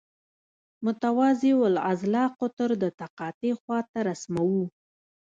متوازی الاضلاع قطر د تقاطع خواته رسموو.